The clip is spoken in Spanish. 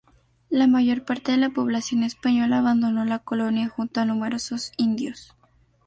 La mayor parte de la población española abandonó la colonia junto a numerosos indios.